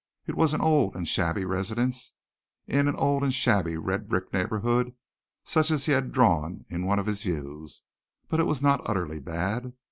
It was an old and shabby residence in an old and shabby red brick neighborhood such as he had drawn in one of his views, but it was not utterly bad.